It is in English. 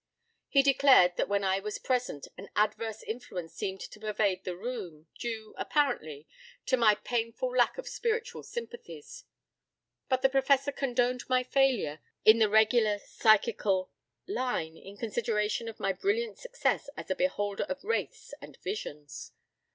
He declared that when I was present, an adverse influence seemed to pervade the room, due, apparently, to my painful lack of spiritual sympathies. But the Professor condoned my failure in the regular psychical line, in consideration of my brilliant success as a beholder of wraiths and visions.